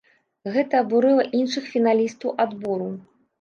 Гэта абурыла іншых фіналістаў адбору.